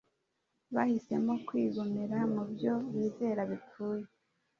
bahisemo kwigumira mu byo bizera bipfuye,